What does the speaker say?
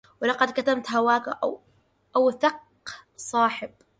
ولقد كتمت هواك أوثق صاحب